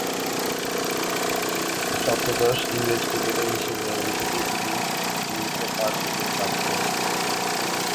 সপ্তদশ ইংরেজ ক্রিকেটার হিসেবে অভিষেকেই তিনি ইনিংসে পাঁচ উইকেট লাভ করেছিলেন।